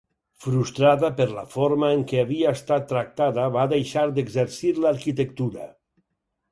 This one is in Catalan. Frustrada per la forma en què havia estat tractada va deixar d'exercir l'arquitectura.